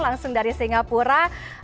langsung dari singapura